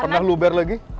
pernah luber lagi